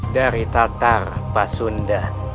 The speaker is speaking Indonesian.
dari tatar pak sunda